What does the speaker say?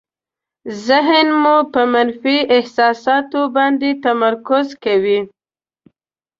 ذهن مو په منفي احساساتو باندې تمرکز کوي.